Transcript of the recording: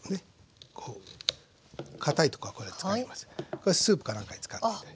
これはスープか何かに使って下さい。